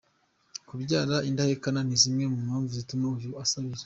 Kubyara indahekana ni zimwe mu mpamvu zatumye uyu asabiriza.